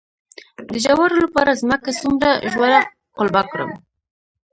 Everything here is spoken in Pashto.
د جوارو لپاره ځمکه څومره ژوره قلبه کړم؟